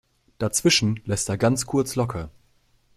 Dazwischen lässt er ganz kurz locker.